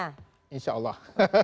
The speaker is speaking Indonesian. kalau imannya kuat insya allah